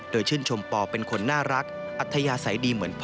โดยชื่นชมปอเป็นคนน่ารักอัธยาศัยดีเหมือนพ่อ